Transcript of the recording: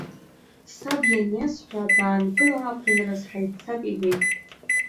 Саб ианаисҳәа баангыл ааԥынраз ҳаиццап иҳәеит.